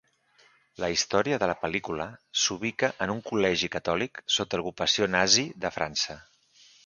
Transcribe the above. La història de la pel·lícula s'ubica en un col·legi catòlic sota l'ocupació nazi de França.